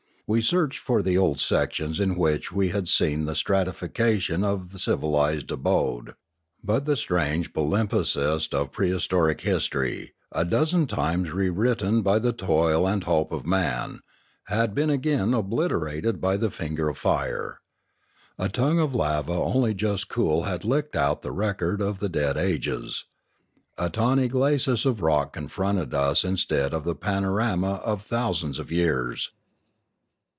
We searched for the old sections in which we had seen the stratification of civilised abode; but the strange pal impsest of prehistoric history, a dozen times rewritten by the toil and hope of man, had been again obliterated by the finger of fire. A tongue of lava only just cool had licked out the record of the dead ages. A tawny glacis of rock confronted us instead of the panorama of thousands of years.